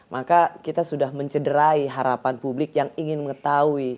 maka kita sudah mencederai harapan publik yang ingin mengetahui